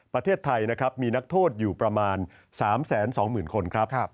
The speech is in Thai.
ประเทศไทยนะครับมีนักโทษอยู่ประมาณ๓๒๐๐๐คนครับ